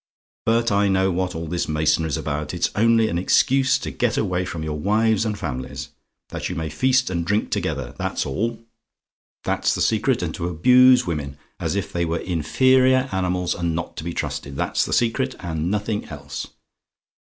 "But I know what all this masonry's about. It's only an excuse to get away from your wives and families, that you may feast and drink together, that's all. That's the secret. And to abuse women, as if they were inferior animals, and not to be trusted. That's the secret; and nothing else.